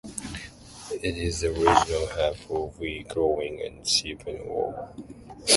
It is the regional hub for wheat growing and sheep and wool.